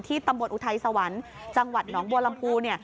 ตำบลอุทัยสวรรค์จังหวัดหนองบัวลำพู